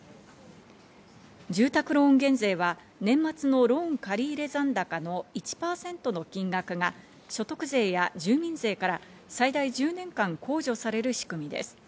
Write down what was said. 住宅ローン減税は年末のローン借入残高の１％の金額が所得税や住民税から最大１０年間控除される仕組みです。